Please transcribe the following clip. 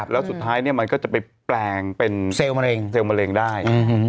แล้วสุดท้ายมันก็จะไปแปลงเป็นเซลล์มะเร็งได้